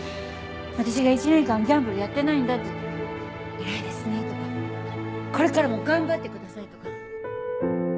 私が１年間ギャンブルやってないんだって言ったら偉いですねとかこれからも頑張ってくださいとか。